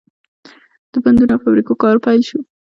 د بندونو او فابریکو کار پیل شو.